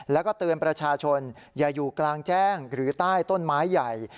แล้วก็เตือนประชาชนอย่าอยู่กลางแจ้งหรือใต้ต้นไม้ใหญ่